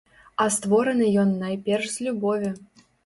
А створаны ён найперш з любові.